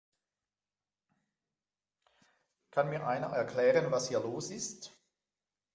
Kann mir einer erklären, was hier los ist?